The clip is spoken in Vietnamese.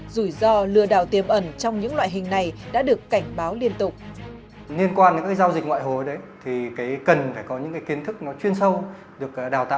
rủi ro lừa đảo tiềm ẩn trong những loại hình này đã được cảnh sát